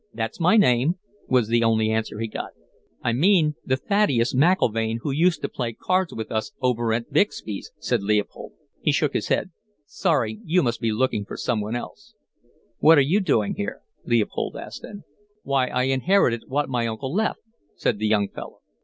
"'That's my name,' was the only answer he got. "'I mean the Thaddeus McIlvaine who used to play cards with us over at Bixby's,' said Leopold. "He shook his head. 'Sorry, you must be looking for someone else.' "'What're you doing here?' Leopold asked then. "'Why, I inherited what my uncle left,' said the young fellow.